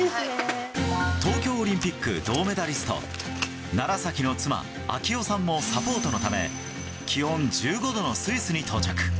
東京オリンピック銅メダリスト、楢崎の妻、啓代さんもサポートのため、気温１５度のスイスに到着。